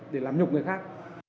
để làm nhục người khác